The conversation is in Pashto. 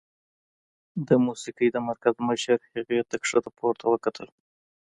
د موسيقۍ د مرکز مشر هغې ته ښکته پورته وکتل.